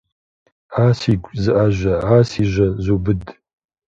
А сигу зыIэжьэ, а си жьэ зубыд.